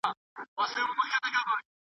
ډوډۍ که پردۍ وه ګیډه خو دي خپله وه.